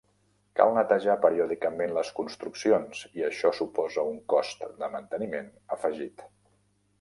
Cal netejar periòdicament les construccions i això suposa un cost de manteniment afegit.